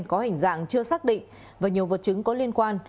có hình dạng chưa xác định và nhiều vật chứng có liên quan